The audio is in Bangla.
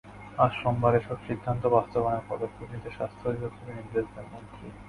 আজ সোমবার এসব সিদ্ধান্ত বাস্তবায়নের পদক্ষেপ নিতে স্বাস্থ্য অধিদপ্তরকে নির্দেশ দেন মন্ত্রী।